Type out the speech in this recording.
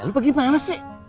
lu bagaimana sih